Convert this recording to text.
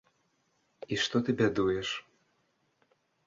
І што ты бядуеш?